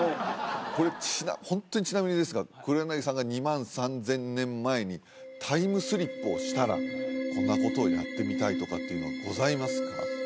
これホントにちなみにですが黒柳さんが２万３０００年前にタイムスリップをしたらこんなことをやってみたいとかっていうのはございますか？